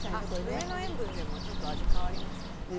梅の塩分でもちょっと味変わりますもんね。